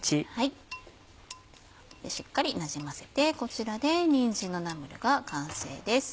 しっかりなじませてこちらでにんじんのナムルが完成です。